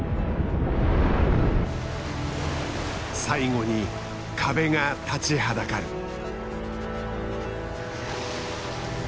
最後に壁が立ちはだかる。